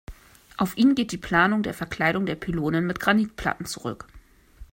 Auf ihn geht die Planung der Verkleidung der Pylone mit Granitplatten zurück.